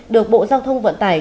được bộ giao thông vận tải